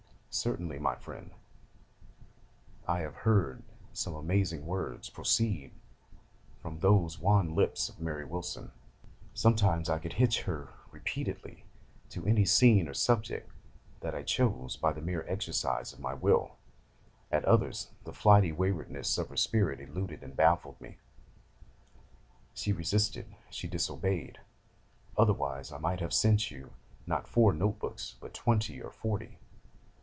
Certainly, my friend, I have heard some amazing words proceed from those wan lips of Mary Wilson. Sometimes I could hitch her repeatedly to any scene or subject that I chose by the mere exercise of my will; at others, the flighty waywardness of her spirit eluded and baffled me: she resisted she disobeyed: otherwise I might have sent you, not four note books, but twenty, or forty.